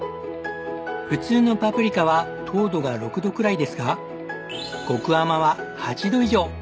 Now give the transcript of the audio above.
普通のパプリカは糖度が６度くらいですが極甘は８度以上。